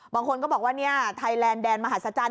บางคนก็บอกว่าไทยแลนด์แดนมหาศจรรย